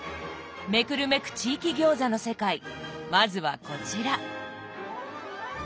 めくるめく地域餃子の世界まずはこちら。